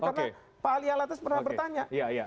karena pak alial atas pernah bertanya